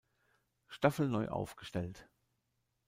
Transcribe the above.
Staffel neu aufgestellt.